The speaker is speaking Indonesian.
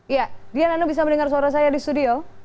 ya dian anda bisa mendengar suara saya di studio